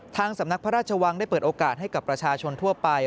สำนักพระราชวังได้เปิดโอกาสให้กับประชาชนทั่วไป